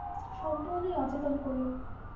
সম্পূর্ণই অচেতন করে।